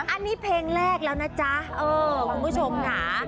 อันนี้เพลงแรกแล้วนะจ๊ะเออคุณผู้ชมค่ะ